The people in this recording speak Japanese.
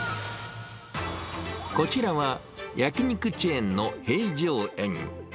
こちらは、焼き肉チェーンの平城苑。